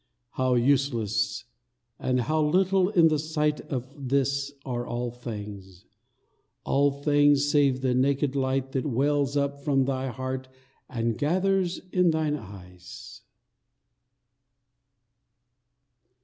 How useless and how little in the sight Of this are all things all things, save the naked light That wells up from thy heart and gathers in thine eyes.